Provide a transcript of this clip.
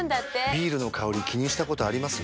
ビールの香り気にしたことあります？